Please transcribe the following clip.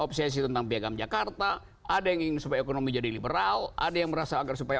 obsesi tentang piagam jakarta ada yang ingin supaya ekonomi jadi liberal ada yang merasa agar supaya